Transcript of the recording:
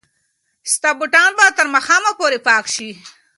ستا بوټان به تر ماښامه پورې پاک شي.